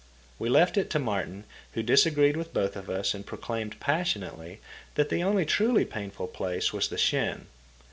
We left it to Martin, who disagreed with both of us and proclaimed passionately that the only truly painful place was the shin.